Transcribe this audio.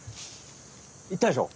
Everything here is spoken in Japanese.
いったでしょ？